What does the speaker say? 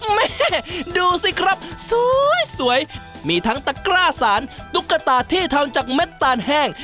แม่ดูสิครับสวยสวยมีทั้งตะกร้าสารตุ๊กตาที่ทำจากเม็ดตาลแห้ง